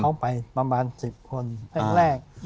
เขาไปประมาณ๑๐คนแรก